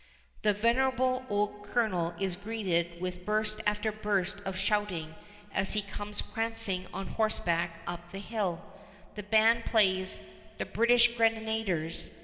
The venerable old colonel is greeted with burst after burst of shouting as he comes prancing on horseback up the hill. The band plays "the British Grenadiers."